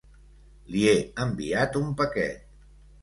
Li he enviat un paquet.